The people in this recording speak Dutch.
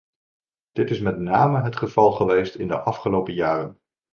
Dit is met name het geval geweest in de afgelopen jaren.